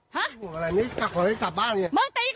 ห่วงอะไรนี่จะขอให้กลับบ้านเนี่ย